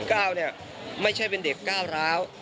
ก้าวเนี่ยไม่ใช่เป็นเด็กก้าวร้าว